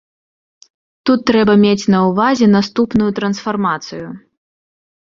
Тут трэба мець на ўвазе наступную трансфармацыю.